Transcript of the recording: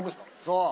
そう。